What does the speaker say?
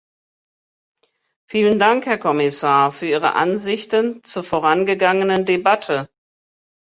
Vielen Dank, Herr Kommissar, für Ihre Ansichten zur vorangegangenen Debatte.